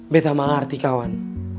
betta mengerti kawan